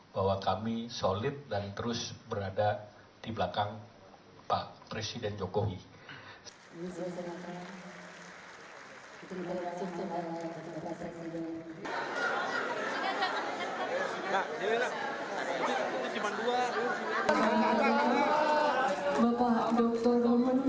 kami akan berbincang dengan ketua umum partai golkar bersama saya budi adiputro